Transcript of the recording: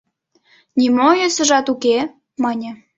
«Нимо йӧсыжат уке», – мане.